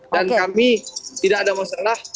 dan kami tidak ada masalah